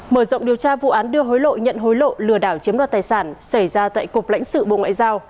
mở rộng điều tra vụ án đưa hối lộ nhận hối lộ lừa đảo chiếm đoạt tài sản xảy ra tại cục lãnh sự bộ ngoại giao